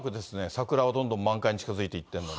桜はどんどん満開に近づいていっているのに。